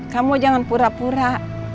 kamu jangan pura pura